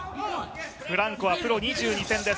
フランコはプロ２２戦です。